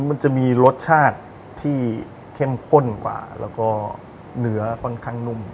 มันจะมีรสชาติที่เข้มข้นกว่าแล้วก็เนื้อค่อนข้างนุ่ม